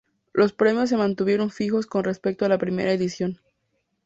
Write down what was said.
Los premios se mantuvieron fijos con respecto a la primera edición.